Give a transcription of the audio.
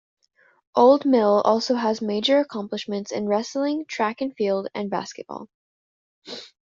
Old Mill also has major accomplishments in wrestling, track and field and basketball.